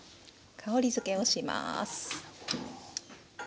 香りづけをします。